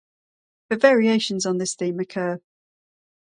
But variations on this theme occur.